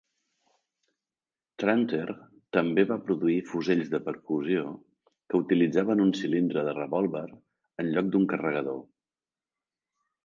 Tranter també va produir fusells de percussió que utilitzaven un cilindre de revòlver en lloc d'una carregador.